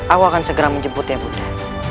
aku akan segera menjemputnya bunda